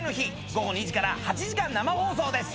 ごご２時から８時間生放送です